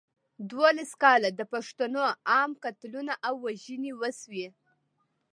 دولس کاله د پښتنو عام قتلونه او وژنې وشوې.